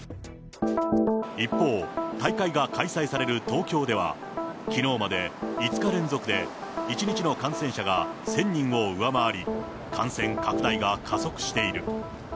一方、大会が開催される東京では、きのうまで５日連続で１日の感染者が１０００人を上回り、感染拡大が加速している。